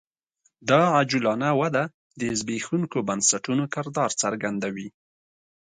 دا عجولانه وده د زبېښونکو بنسټونو کردار څرګندوي